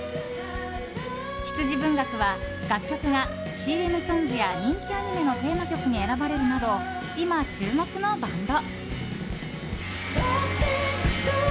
羊文学は楽曲がＣＭソングや人気アニメのテーマ曲に選ばれるなど今、注目のバンド。